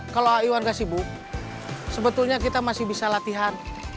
kalau ayuan nggak sibuk sebetulnya kita masih bisa latihan